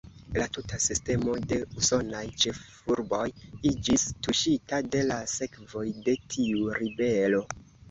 La tuta sistemo de usonaj ĉefurboj iĝis tuŝita de la sekvoj de tiu ribelo.